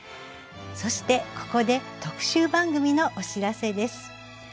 そしてここで特集番組のお知らせです。